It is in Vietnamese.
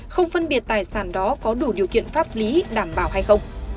không phân biệt tài sản đó có đủ điều kiện pháp lý đảm bảo hay không